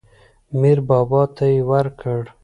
میر بابا ته یې ورکړ.